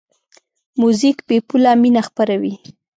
موزیک بېپوله مینه خپروي.